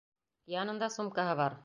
Янында сумкаһы бар.